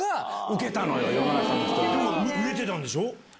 売れてたんでしょ？